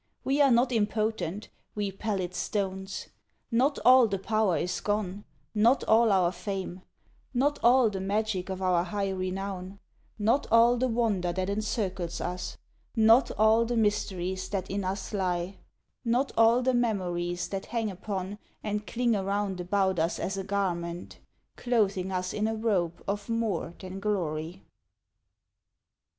We are not impotent we pallid stones. Not all the power is gone not all our fame Not all the magic of our high renown Not all the wonder that encircles us Not all the mysteries that in us lie Not all the memories that hang upon And cling around about us as a garment, Clothing us in a robe of more than glory."